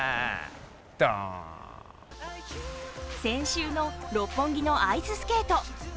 先週の六本木のアイススケート。